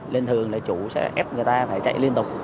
lên thường là chủ sẽ ép người ta phải chạy liên tục